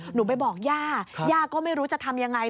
หนูไปบอกย่าย่าก็ไม่รู้จะทำยังไง